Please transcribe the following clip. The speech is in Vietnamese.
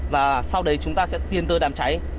và sau đấy chúng ta sẽ tiên tư đàm cháy